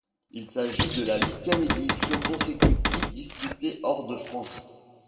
Il s'agit de la huitième édition consécutive disputée hors de France.